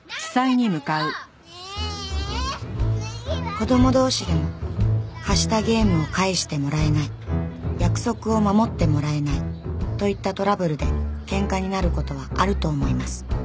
子ども同士でも「貸したゲームを返してもらえない」「約束を守ってもらえない」といったトラブルでケンカになることはあると思います